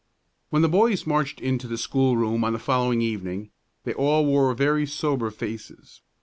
When the boys marched into the schoolroom on the following evening, they all wore very sober faces.